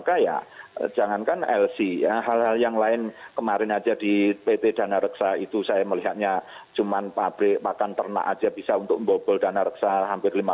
tapi karena ada proses kongkaling kong yang masif maka ya jangankan lc hal hal yang lain kemarin aja di pt dana reksa itu saya melihatnya cuma pabrik pakan ternak aja bisa untuk membobol dana reksa hampir lima puluh m kan gitu kan